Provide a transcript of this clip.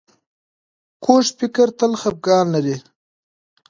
کوږ فکر تل خپګان لري